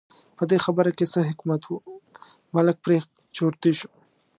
په دې خبره کې څه حکمت و، ملک پرې چرتي شو.